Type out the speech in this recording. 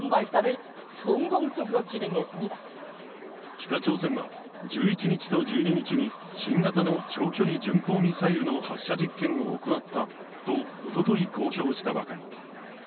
北朝鮮は、１１日と１２日に新型の長距離巡航ミサイルの発射実験を行ったとおととい、公表したばかり。